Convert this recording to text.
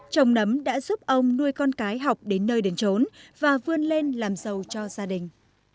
trồng nấm đã giúp ông nuôi con cái học đến nơi đến trốn và vươn lên làm giàu cho gia đình